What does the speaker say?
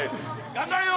頑張れよ！